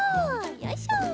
よいしょ。